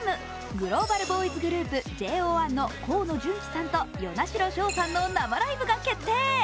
グローバルボーイズグループＪＯ１の河野純喜さんと與那城奨さんの生ライブが決定。